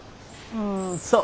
うんそう。